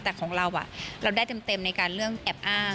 แต่ของเราเราได้เต็มในการเรื่องแอบอ้าง